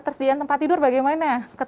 ketersediaan tempat tidur bagaimana